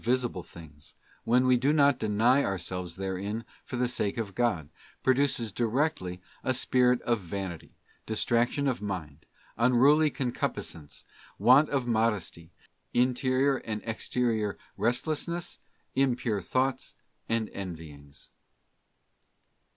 Joy in visible things, when we do not deny ourselves therein for the sake of God, produces directly a spirit of vanity, distraction of mind, unruly concupiscence, want of modesty, interior and exterior restlessness, impure thoughts and envyings.